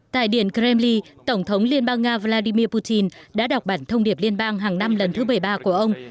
tại điển kremlin tổng thống liên bang nga vladimir putin đã đọc bản thông điệp liên bang hàng năm lần thứ bảy mươi ba của ông